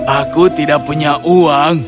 aku tidak punya uang